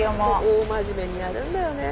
大真面目にやるんだよね。